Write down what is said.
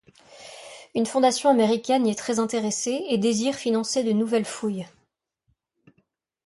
Une fondation américaine y est très intéressée et désire financer de nouvelles fouilles.